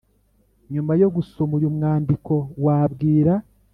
nyuma yo gusoma uyu mwandiko wabwira